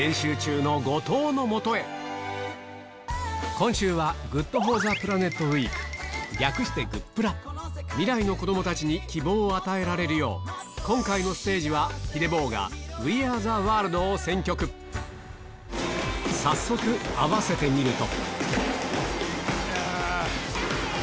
今週は「ＧｏｏｄＦｏｒｔｈｅＰｌａｎｅｔ ウィーク」略してグップラ未来の子供たちに希望を与えられるよう今回のステージは ＨｉｄｅｂｏＨ が早速合わせてみると